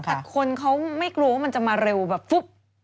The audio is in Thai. คนมันไม่กลัวมันจะมาเร็วแบบปุ๊บ